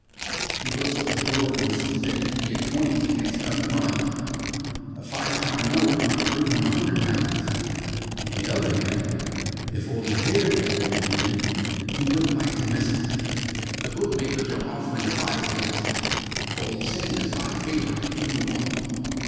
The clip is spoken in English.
He looks at the board and sees that he can get twenties against Cutandrun. A five pound note might bring him a hundred pounds. On the other hand, if Oily Hair was going to win, he wouldn't like to miss it. The bookmakers are offering fives against it. Holy Saint is hot favourite at two to one.